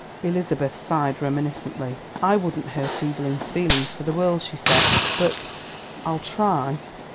Elizabeth sighed reminiscently. "I wouldn't hurt Evelyn's feelings for the world," she said, "but I I'll try."